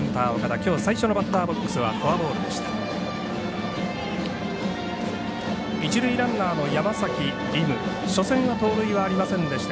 きょう最初のバッターボックスはフォアボールでした。